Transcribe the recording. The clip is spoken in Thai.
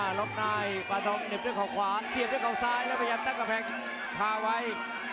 หลบในปาทองเหน็บด้วยข่าวขวาเตียบด้วยข่าวซ้ายแล้วพยายามตั้งกระแภกทาไว้